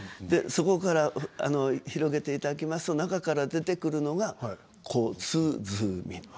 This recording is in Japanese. そこから広げていただきますと中から出てくるのが小鼓です。